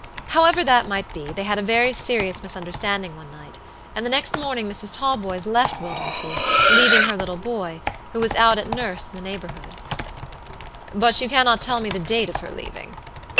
However that might be, they had a very serious misunderstanding one night; and the next morning Mrs. Talboys left Wildernsea, leaving her little boy, who was out at nurse in the neighborhood." "But you cannot tell me the date of her leaving?"